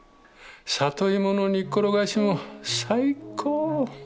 里芋の煮っころがしも最高！